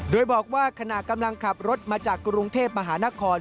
โดยบอกว่าขณะกำลังขับรถมาจากกรุงเทพมหานคร